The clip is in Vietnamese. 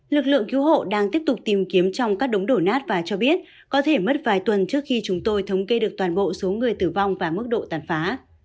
lực lượng cứu hộ đang tiếp tục tìm kiếm trong các đống đổ nát và cho biết có thể mất vài tuần trước khi chúng tôi thống kê được toàn bộ số người tử vong và mức độ tàn phá